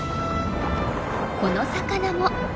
この魚も。